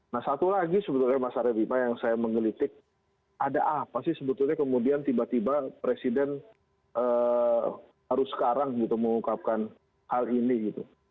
nah satu lagi sebetulnya mas arief bima yang saya mengelitik ada apa sih sebetulnya kemudian tiba tiba presiden harus sekarang gitu mengungkapkan hal ini gitu